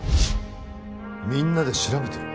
みんなで調べてる？